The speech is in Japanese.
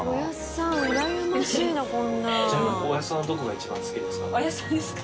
ちなみにおやっさんのどこが一番好きですか？